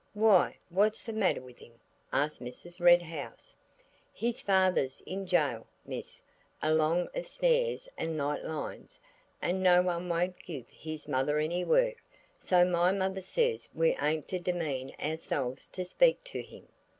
"Why, what's the matter with him?" asked Mrs. Red House. "His father's in jail, miss, along of snares and night lines, and no one won't give his mother any work, so my mother says we ain't to demean ourselves to speak to him."